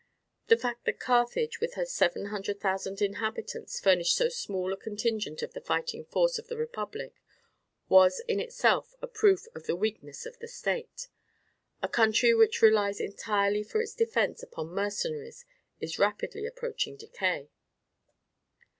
The fact that Carthage, with her seven hundred thousand inhabitants, furnished so small a contingent of the fighting force of the republic, was in itself a proof of the weakness of the state. A country which relies entirely for its defence upon mercenaries is rapidly approaching decay.